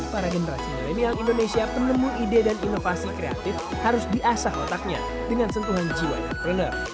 para generasi milenial indonesia penemu ide dan inovasi kreatif harus diasah otaknya dengan sentuhan jiwa entrepreneur